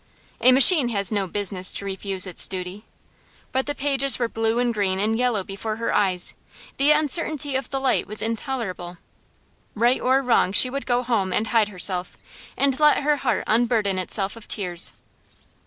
A machine has no business to refuse its duty. But the pages were blue and green and yellow before her eyes; the uncertainty of the light was intolerable. Right or wrong she would go home, and hide herself, and let her heart unburden itself of tears.